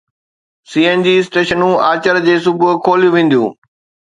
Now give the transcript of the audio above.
سي N G اسٽيشنون آچر جي صبح کوليون وينديون